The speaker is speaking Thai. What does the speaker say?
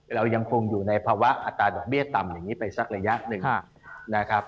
เรายังคงอยู่ในภาวะอัตราดอกเบี้ยต่ำอย่างนี้ไปสักระยะหนึ่งนะครับ